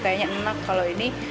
kayaknya enak kalau ini